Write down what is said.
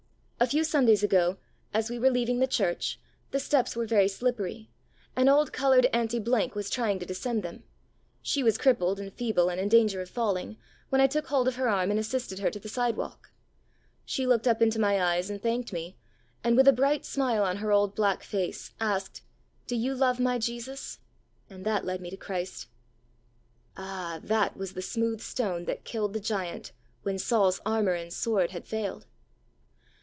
A few Sundays ago, as we were leaving the church, the steps were very slippery, and old coloured Auntie Blank was trying to descend them. She was crippled and feeble and in danger of falling, when I took hold of her arm and assisted her to the sidewalk. She looked up into my eyes and thanked me, and, with a bright smile on her old black face, asked, ' Do you love my Jesus? ^ and that led me to Christ.*' Ah, that was the smooth stone that killed the giant when Saul's armour and sword had failed